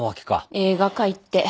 映画界って。